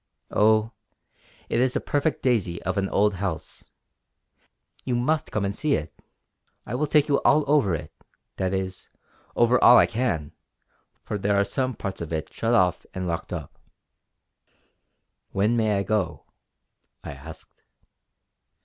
Oh! it is a perfect daisy of an old house. You must come and see it! I will take you all over it; that is, over all I can, for there are some parts of it shut off and locked up." "When may I go?" I asked.